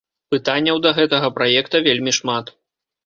Пытанняў да гэтага праекта вельмі шмат.